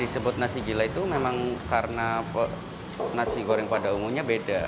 disebut nasi gila itu memang karena nasi goreng pada umumnya beda